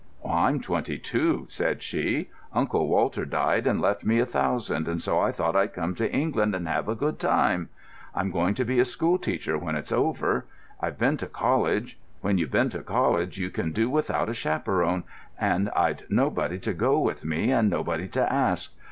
"I'm twenty two," said she. "Uncle Walter died and left me a thousand, and so I thought I'd come to England and have a good time. I'm going to be a school teacher when it's over. I've been to college. When you've been to college you can do without a chaperon, and I'd nobody to go with me and nobody to ask.